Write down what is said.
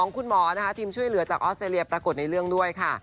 คุณหมอนะคะทีมช่วยเหลือจากออสเตรเลียปรากฏในเรื่องด้วยค่ะ